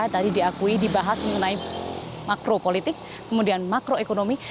tadi diakui dibahas mengenai makro politik kemudian makro ekonomi